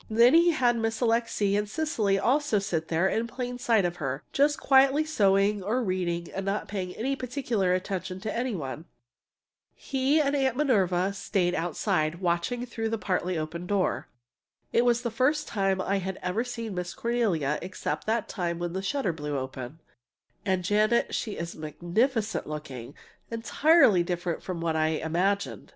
Then he had Miss Alixe and Cecily also sitting there in plain sight of her, just quietly sewing or reading and not paying any particular attention to any one. He and Aunt Minerva stayed outside, watching through the partly opened door. It was the first time I had ever seen Miss Cornelia (except that time when the shutter blew open), and, Janet, she is magnificent looking entirely different from what I had imagined!